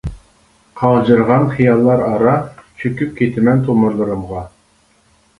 قاغجىرىغان خىياللار ئارا چۆكۈپ كېتىمەن تومۇرلىرىمغا.